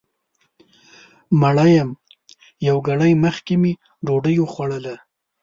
مړه یم یو ګړی مخکې مې ډوډۍ وخوړله